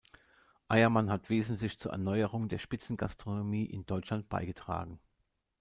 Eiermann hat wesentlich zur Erneuerung der Spitzengastronomie in Deutschland beigetragen.